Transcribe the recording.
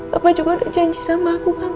bapak juga udah janji sama aku kan